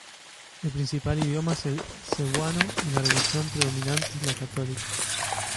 El principal idioma es el cebuano y la religión predominante es la católica.